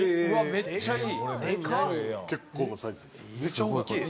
めっちゃいい！